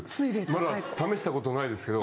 まだ試したことないですけど。